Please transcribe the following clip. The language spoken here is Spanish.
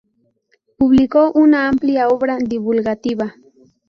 Publicó una amplia obra divulgativa.